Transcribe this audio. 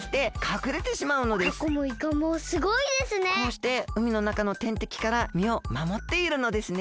こうしてうみのなかのてんてきからみをまもっているのですね。